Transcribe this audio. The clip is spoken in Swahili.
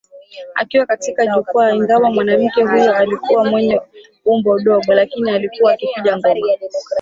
akiwa katika jukwaa Ingawa mwanamke huyo alikuwa mwenye umbo dogo lakini alikuwa akipiga ngoma